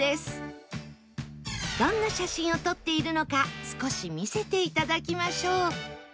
どんな写真を撮っているのか少し見せていただきましょう